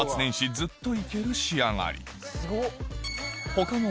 ずっと行ける仕上がり